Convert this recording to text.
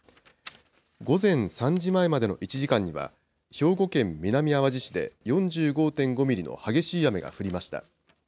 午前３時前までの１時間には、兵庫県南あわじ市で４５．５ミリの激しい雨が降りました。